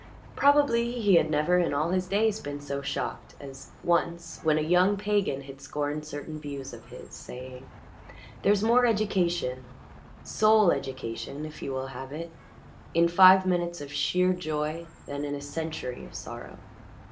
Probably he had never in all his days been so shocked as once when a young pagan had scorned certain views of his, saying; "There's more education soul education, if you will have it in five minutes of sheer joy than in a century of sorrow."